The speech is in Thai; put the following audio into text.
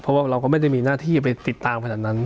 เพราะว่าเราก็ไม่ได้มีหน้าที่ไปติดตามขนาดนั้น